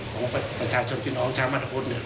ของประชาชนพี่น้องจ๊๑๙๙๗เนี่ย